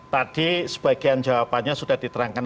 tadi sebagian jawabannya sudah diterangkan